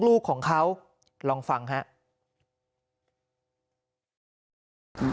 ลูกของเขาลองฟังครับ